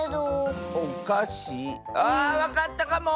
あわかったかも！